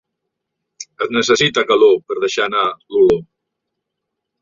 Es necessita calor per deixar anar l'olor.